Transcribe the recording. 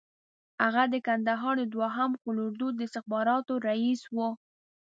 هغه د کندهار د دوهم قول اردو د استخباراتو رییس وو.